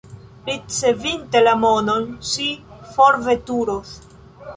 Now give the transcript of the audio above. Ricevinte la monon, ŝi forveturos.